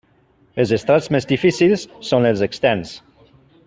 Els estrats més difícils són els externs.